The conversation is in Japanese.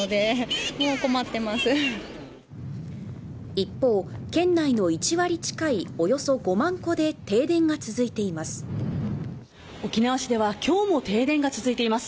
一方県内の１割近いおよそ５万戸で沖縄市では今日も停電が続いています。